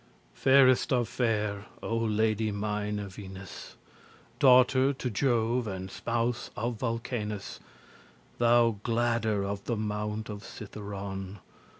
"Fairest of fair, O lady mine Venus, Daughter to Jove, and spouse of Vulcanus, Thou gladder of the mount of Citheron!